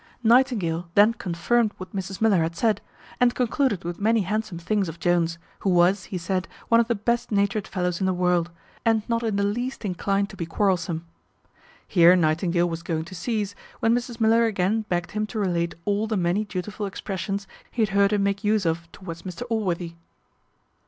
Nightingale then confirmed what Mrs Miller had said; and concluded with many handsome things of Jones, who was, he said, one of the best natured fellows in the world, and not in the least inclined to be quarrelsome. Here Nightingale was going to cease, when Mrs Miller again begged him to relate all the many dutiful expressions he had heard him make use of towards Mr Allworthy.